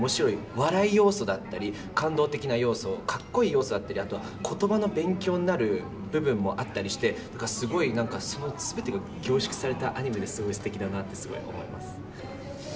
笑い要素だったり感動的な要素格好いい要素だったりあとは言葉の勉強になる部分もあったりしてすべてが凝縮されたアニメですごいすてきだなって思います。